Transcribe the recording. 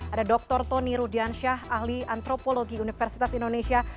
ada dr tony rudiansyah ahli antropologi universitas indonesia